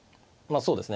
そうですね